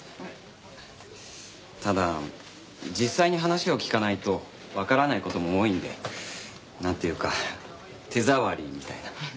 ただ実際に話を聞かないとわからない事も多いんで。なんていうか手触りみたいな。